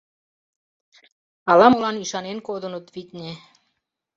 Ала-молан ӱшанен кодыныт, витне.